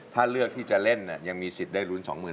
ถ้าเลือกที่จะเล่นยังมีสิทธิ์ได้ลุ้น๒๐๐๐